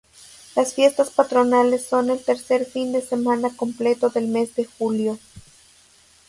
Las fiestas patronales son el tercer fin de semana completo del mes de julio.